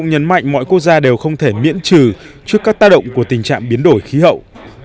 hãy miễn trừ trước các tác động của tình trạng biến đổi khí hậu